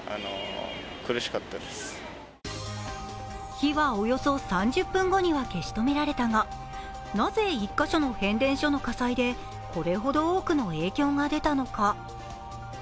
火はおよそ３０分後には消し止められたが、なぜ１カ所の変電所の火災で、これほど多くの影響が出たのか。